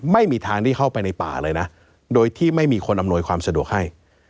ไม่มีทางที่เข้าไปในป่าเลยนะโดยที่ไม่มีคนอำนวยความสะดวกให้